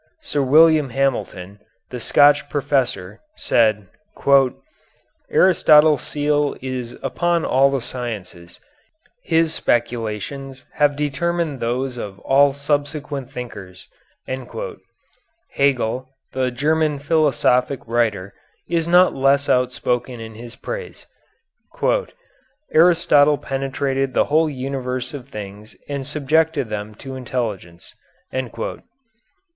Sir William Hamilton, the Scotch philosopher, said: "Aristotle's seal is upon all the sciences, his speculations have determined those of all subsequent thinkers." Hegel, the German philosophic writer, is not less outspoken in his praise: "Aristotle penetrated the whole universe of things and subjected them to intelligence."